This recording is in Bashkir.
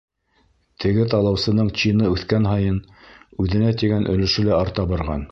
Теге талаусының чины үҫкән һайын, үҙенә тигән өлөшө лә арта барған.